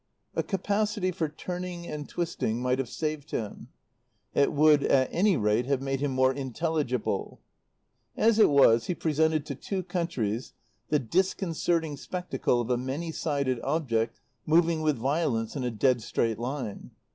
A capacity for turning and twisting might have saved him. It would at any rate have made him more intelligible. As it was, he presented to two countries the disconcerting spectacle of a many sided object moving with violence in a dead straight line.